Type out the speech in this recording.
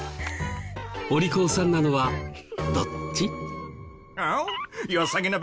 お利口さんなのはどっち？